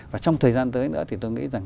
và trong thời gian tới nữa thì tôi nghĩ rằng